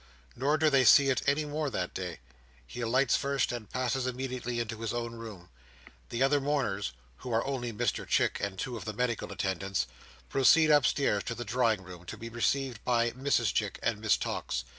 Nor do they see it any more that day. He alights first, and passes immediately into his own room. The other mourners (who are only Mr Chick, and two of the medical attendants) proceed upstairs to the drawing room, to be received by Mrs Chick and Miss Tox.